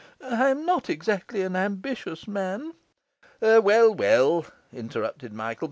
I am not exactly an ambitious man...' 'Well, well,' interrupted Michael.